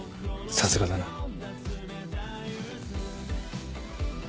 さすがだな。